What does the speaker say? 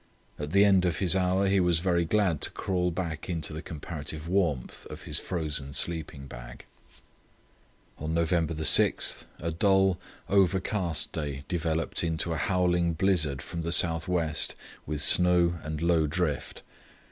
At the end of his hour he was very glad to crawl back into the comparative warmth of his frozen sleeping bag. On November 6 a dull, overcast day developed into a howling blizzard from the south west, with snow and low drift.